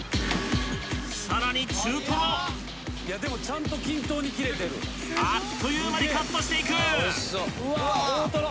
さらに中トロでもちゃんと均等に切れてるあっという間にカットしていくうわあ大トロ！